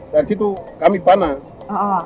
dari situ kami panas